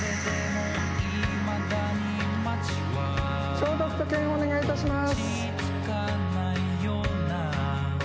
消毒と検温をお願いいたします。